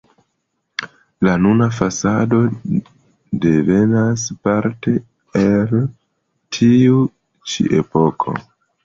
La nuna fasado devenas parte el tiu ĉi epoko.